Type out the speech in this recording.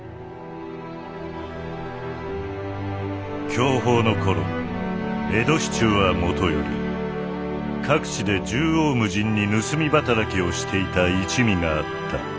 享保の頃江戸市中はもとより各地で縦横無尽に盗み働きをしていた一味があった。